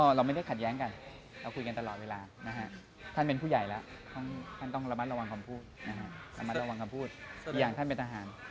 หรือมันฟาดทำว่าเยอะมากเยอะมาก